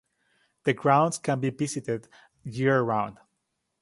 The grounds can be visited year round.